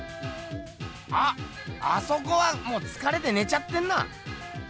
あっあそこはもうつかれてねちゃってんな。